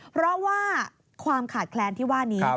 เพราะว่าความขาดแคลนที่ว่านี้